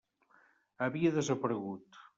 Havia desaparegut.